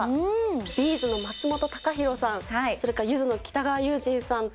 Ｂ＆ｚの松本孝弘さん、それからゆずの北川悠仁さんと。